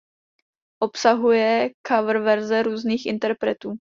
Obsahuje coververze různých interpretů.